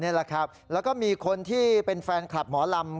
นี่แหละครับแล้วก็มีคนที่เป็นแฟนคลับหมอลำ